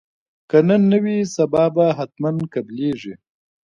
که نن نه وي نو سبا به حتما قبلیږي